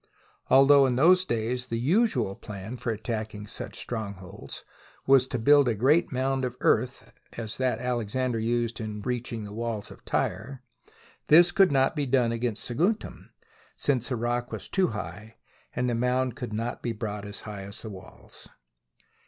Although in those days the usual plan for attacking such strongholds was to build such a great mound of earth as that Alexander used in reaching the walls of Tyre, this could not be done against Saguntum, since the rock was too high and the mound could not be brought as high as the walls.